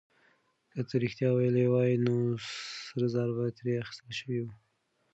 که ده رښتيا ويلي وای، نو سره زر به ترې اخيستل شوي وو.